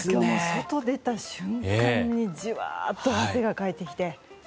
外出た瞬間にじわっと汗かいてきて。